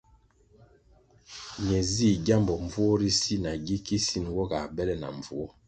Ne zih gyambo mbvuo ri si na gi kisin nwo ga bele na mbvuo.